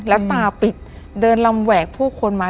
แล้วตาปิดเดินลำแหวกผู้คนมา